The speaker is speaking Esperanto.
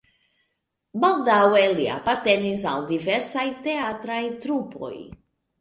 Baldaŭe li apartenis al diversaj teatraj trupoj.